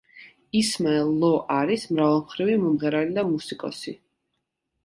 ისმაელ ლო არის მრავალმხრივი მომღერალი და მუსიკოსი.